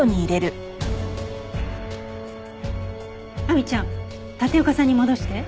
亜美ちゃん立岡さんに戻して。